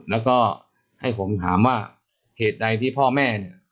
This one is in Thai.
แล้วก็ให้ผมถามว่าเหตุใดที่พ่อแม่เนี่ย